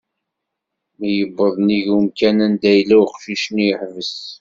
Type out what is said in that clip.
Mi yewweḍ nnig umkan anda yella uqcic-nni, iḥbes.